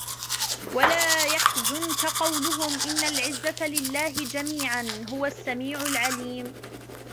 وَلَا يَحْزُنْكَ قَوْلُهُمْ إِنَّ الْعِزَّةَ لِلَّهِ جَمِيعًا هُوَ السَّمِيعُ الْعَلِيمُ